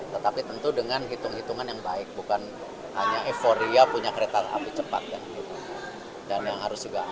tetapi tentu dengan hitung hitungan yang baik bukan hanya euforia punya kereta api cepat dan yang harus juga aman